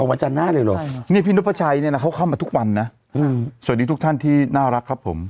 วันจันทร์หน้าเลยเหรอนี่พี่นกพระชัยเนี่ยนะเขาเข้ามาทุกวันนะสวัสดีทุกท่านที่น่ารักครับผม